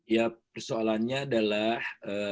ya soalnya adalah